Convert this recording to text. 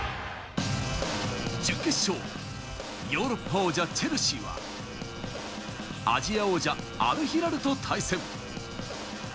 準決勝、ヨーロッパ王者チェルシーは、アジア王者アルヒラルと対戦。